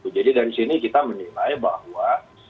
jadi dari sini kita menilai bahwa